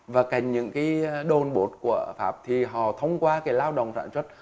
và cạnh những cái đồn bột của pháp thì họ thông qua cái lao động sản xuất